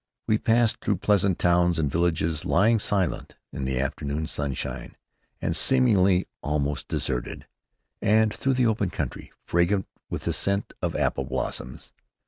We passed through pleasant towns and villages lying silent in the afternoon sunshine, and seemingly almost deserted, and through the open country fragrant with the scent of apple blossoms.